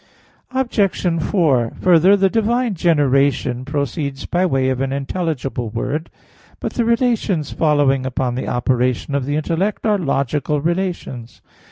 Obj. 4: Further, the divine generation proceeds by way of an intelligible word. But the relations following upon the operation of the intellect are logical relations.